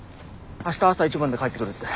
明日朝一番で帰ってくるって。